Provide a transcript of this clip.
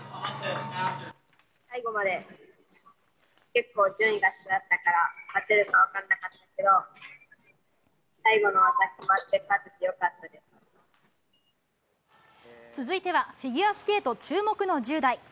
最後まで結構、順位が下だったから勝てるか分からなかったけど、最後の技が決ま続いては、フィギュアスケート注目の１０代。